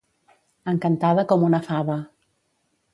Encantada com una fava.